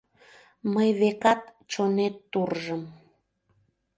Мый, векат, чонет туржым.